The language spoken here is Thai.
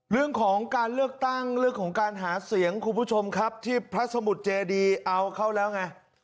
เรื่องของการเลือกตั้งเรื่องของการหาเสียงคุณผู้ชมครับที่พระสมุทรเจดีเอาเข้าแล้วไง